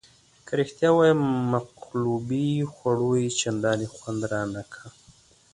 که رښتیا ووایم مقلوبې خوړو یې چندانې خوند رانه کړ.